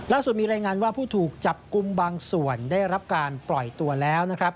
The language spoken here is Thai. มีรายงานว่าผู้ถูกจับกลุ่มบางส่วนได้รับการปล่อยตัวแล้วนะครับ